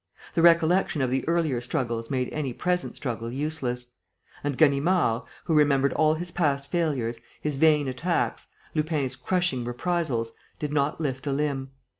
The recollection of the earlier struggles made any present struggle useless. And Ganimard, who remembered all his past failures, his vain attacks, Lupin's crushing reprisals, did not lift a limb.